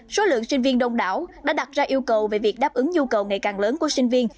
số lượng sinh viên đông đảo đã đặt ra yêu cầu về việc đáp ứng nhu cầu ngày càng lớn của sinh viên